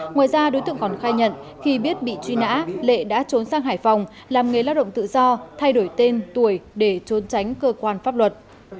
ngoài ra đối tượng còn khai nhận khi biết bị truy nã lệ đã trốn sang hải phòng làm nghề lao động tự do thay đổi tên tuổi để trốn tránh cơ quan pháp luật